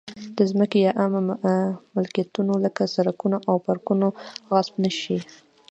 د ځمکې یا عامه ملکیتونو لکه سړکونه او پارکونه غصب نه شي.